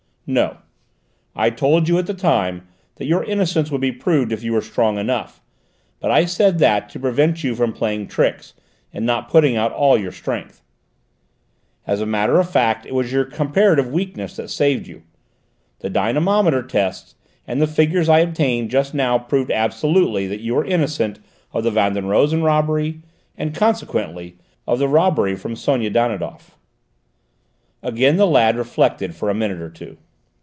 "No. I told you at the time that your innocence would be proved if you were strong enough, but I said that to prevent you from playing tricks and not putting out all your strength. As a matter of fact it was your comparative weakness that saved you. The dynamometer tests and the figures I obtained just now prove absolutely that you are innocent of the Van den Rosen robbery and, consequently, of the robbery from Sonia Danidoff." Again the lad reflected for a minute or two.